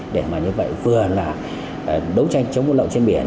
để vừa là đấu tranh chống bút lậu trên biển